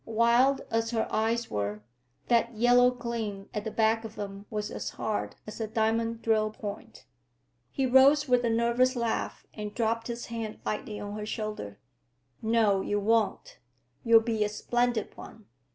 Wild as her eyes were, that yellow gleam at the back of them was as hard as a diamond drill point. He rose with a nervous laugh and dropped his hand lightly on her shoulder. "No, you won't. You'll be a splendid one!"